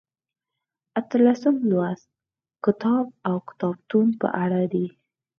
اتلسم لوست کتاب او کتابتون په اړه دی.